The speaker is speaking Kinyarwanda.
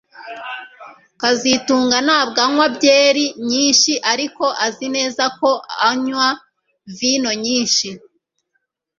kazitunga ntabwo anywa byeri nyinshi ariko azi neza ko anywa vino nyinshi